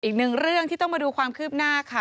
อีกหนึ่งเรื่องที่ต้องมาดูความคืบหน้าค่ะ